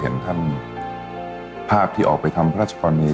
แต่ตอนเด็กก็รู้ว่าคนนี้คือพระเจ้าอยู่บัวของเรา